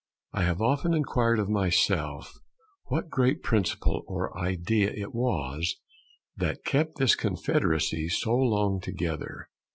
I have often inquired of myself what great principle or idea it was that kept this Confederacy so long together.